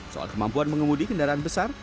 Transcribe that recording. soal kemampuan mengemudi kendaraan besar